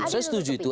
saya setuju itu